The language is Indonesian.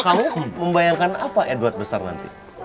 kamu membayangkan apa edward besar nanti